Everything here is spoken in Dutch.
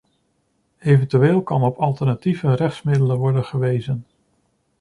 Eventueel kan op alternatieve rechtsmiddelen worden gewezen.